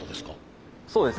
そうです。